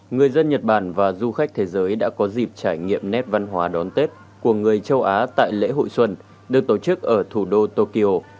người dân nhật bản và du khách thế giới đã có dịp trải nghiệm nét văn hóa đón tết của người châu á tại lễ hội xuân được tổ chức ở thủ đô tokyo